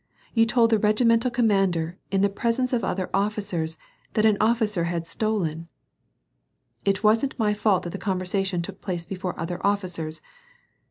" You told the regimental commander, in the presence of other officers, that an officer had stolen "—" It wasn't my fault that the conversation took place before other officers.